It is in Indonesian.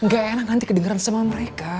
gak enak nanti kedengeran sama mereka